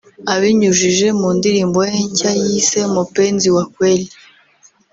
abinyujije mu ndirimbo ye nshya yise “Mupenzi wa kweli”